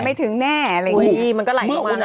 ไม่ถึงแน่อะไรอย่างนี้มันก็ไหลลงมา